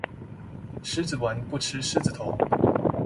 獅子丸不吃獅子頭